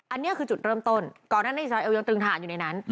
อันนี้คือจุดเริ่มต้นก่อนนั้นในอิสราเอลยังตรึงฐานอยู่ในนั้น